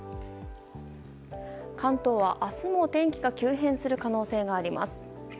関東は明日も天気が急変する可能性があります。